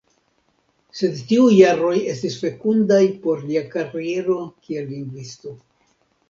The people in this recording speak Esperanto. Sed tiuj jaroj estis fekundaj por lia kariero kiel lingvisto.